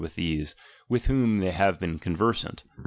with those, with whom they have been conversant.